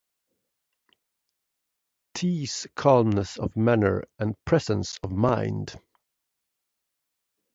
Tease calmness of manner and presence of mind!